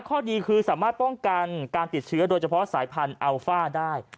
ข้อดีคือสามารถป้องกันการติดเชื้อโดยเฉพาะสายพันธุ์อัลฟ่าได้